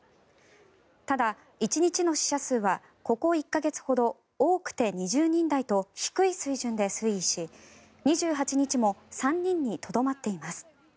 ただ、１日の死者数はここ１か月ほど多くて２０人台と低い水準で推移し２８日も３人にとどまっています。